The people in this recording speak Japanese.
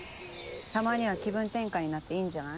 たまには気分転換になっていいんじゃない。